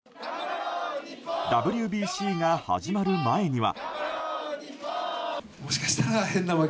ＷＢＣが始まる前には。